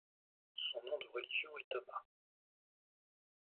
Son nom de religion est Thomas.